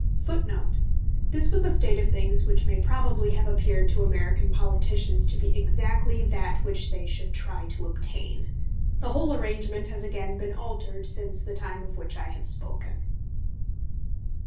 [Footnote 11: This was a state of things which may probably have appeared to American politicians to be exactly that which they should try to obtain. The whole arrangement has again been altered since the time of which I have spoken.